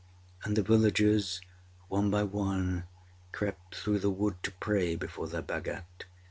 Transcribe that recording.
And the villagers, one by one, crept through the wood to pray before their Bhagat.